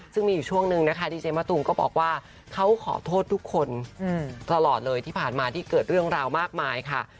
ซึ่งมีอยู่ช่วงนึงนะคะดีเจมะตูมก็บอกว่าเขาขอโทษทุกคนตลอดเลยที่ผ่านมาที่เกิดเรื่องราวมากมายค่ะ